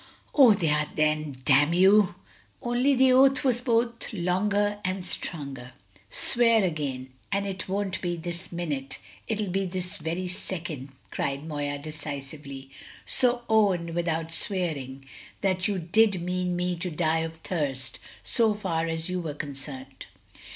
"Oh, they are then, damn you!" Only the oath was both longer and stronger. "Swear again, and it won't be this minute, it'll be this very second!" cried Moya decisively. "So own, without swearing, that you did mean me to die of thirst, so far as you were concerned."